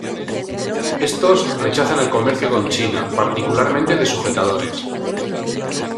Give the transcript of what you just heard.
Estos, rechazan el comercio con China, particularmente de sujetadores.